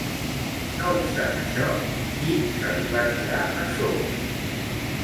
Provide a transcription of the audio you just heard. No obstant això, qui se li va tirar a sobre?